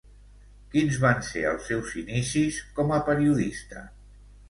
Quins van ser els seus inicis com a periodista?